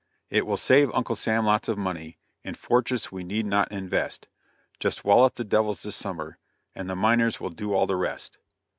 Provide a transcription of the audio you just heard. It will save Uncle Sam lots of money, In fortress we need not invest, Jest wollup the devils this summer, And the miners will do all the rest.